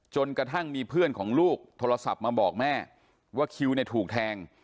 จนกระทั่งมีเพื่อนของลูกโทรศัพท์มาบอกแม่ว่าคิวเนี่ยถูกแทง